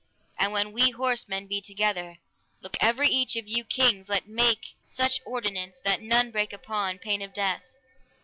And when we horsemen be together, look every each of you kings let make such ordinance that none break upon pain of death.